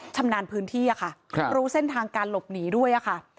ชำนาญพื้นที่ค่ะรู้เส้นทางการหลบหนีด้วยค่ะ